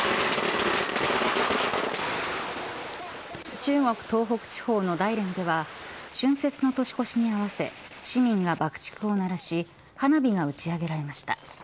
中国、東北地方の大連では春節の年越しに合わせ市民が爆竹を鳴らし花火が打ち上げられました。